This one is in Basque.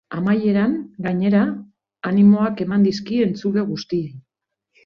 Amaieran, gainera, animoak eman dizkie entzule guztiei.